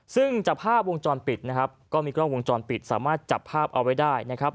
ซึ่งจากภาพวงจรปิดนะครับก็มีกล้องวงจรปิดสามารถจับภาพเอาไว้ได้นะครับ